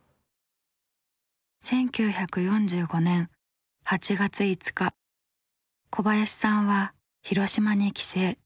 １９４５年８月５日小林さんは広島に帰省。